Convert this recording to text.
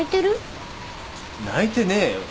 泣いてねえよ。